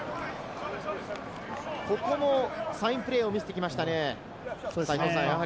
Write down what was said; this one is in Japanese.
ここもサインプレーを見せてきました。